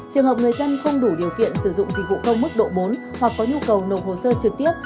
trường hợp người dân không đủ điều kiện sử dụng dịch vụ công mức độ bốn hoặc có nhu cầu nộp hồ sơ trực tiếp